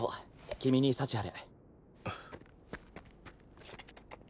君に幸あれ。